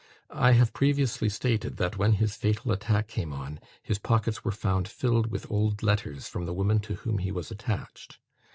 I have previously stated, that when his fatal attack came on, his pockets were found filled with old letters from the woman to whom he was attached.